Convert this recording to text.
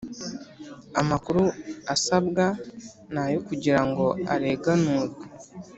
Amakuru asabwa nayokugirango areganurwe